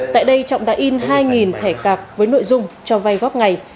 tại đây trọng đã in hai thẻ cạp với nội dung cho vay góp ngày